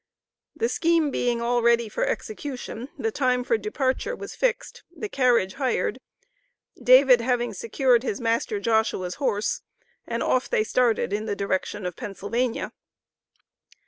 The scheme being all ready for execution, the time for departure was fixed, the carriage hired, David having secured his master Joshua's horse, and off they started in the direction of Pennsylvania.